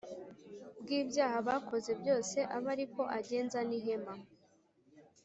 Bw ibyaha bakoze byose abe ari ko agenza n ihema